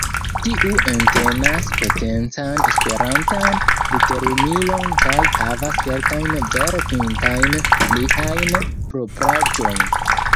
Tiu entenas potencan esperantan literumilon kaj havas kelkajn vere pintajn pliajn propraĵojn.